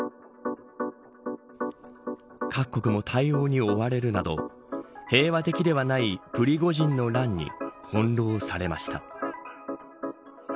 各国も対応に追われるなど平和的ではないプリゴジンの乱にほんろうされました。